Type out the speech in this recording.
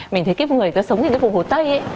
mình thấy cái người ta sống trên cái vùng hồ tây